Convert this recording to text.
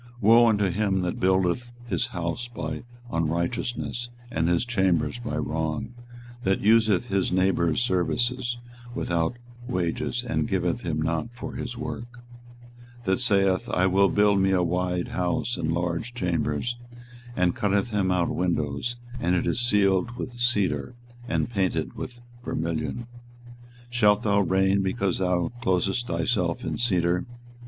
24:022:013 Woe unto him that buildeth his house by unrighteousness, and his chambers by wrong; that useth his neighbour's service without wages, and giveth him not for his work; 24:022:014 That saith, I will build me a wide house and large chambers, and cutteth him out windows; and it is cieled with cedar, and painted with vermilion. 24:022:015 Shalt thou reign, because thou closest thyself in cedar?